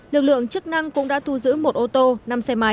lực lượng chức năng cũng đã thu giữ một ô tô năm xe máy